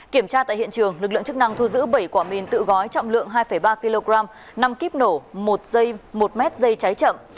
kiểm tra tại hiện trường lực lượng chức năng thu giữ bảy quả mìn tự gói trọng lượng hai ba kg năm kíp nổ một m dây cháy chậm